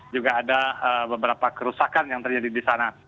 juga ada beberapa kerusakan yang terjadi di sana